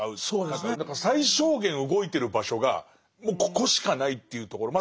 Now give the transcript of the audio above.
だから最小限動いてる場所がもうここしかないっていうところ。